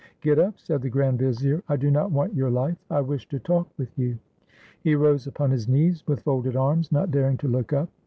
"Get up!" said the grand vizier. "I do not want your life. I wish to talk with you." He rose upon his knees, with folded arms; not daring to look up.